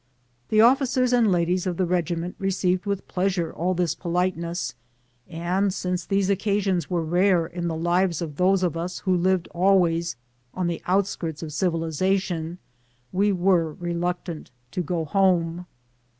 The officers and ladies of tlie regiment received with pleas ure all this politeness, and since these occasions were rare in the lives of those of us who lived always on the outskirts of civilization, we were reluctant to go home.